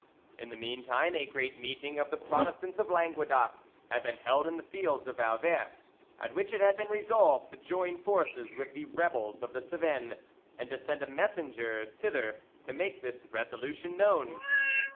In the meantime a great meeting of the Protestants of Languedoc had been held in the fields of Vauvert, at which it had been resolved to join forces with the rebels of the Cevennes, and to send a messenger thither to make this resolution known.